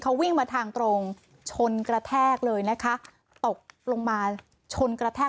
เขาวิ่งมาทางตรงชนกระแทกเลยนะคะตกลงมาชนกระแทก